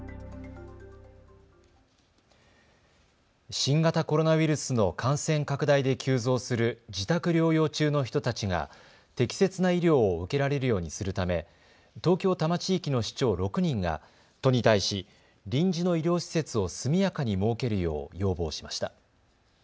新型コロナウイルスの感染拡大で急増する自宅療養中の人たちが適切な医療を受けられるようにするため東京多摩地域の市長６人が都に対し、臨時の医療施設を速やかに設けるよう要望しました。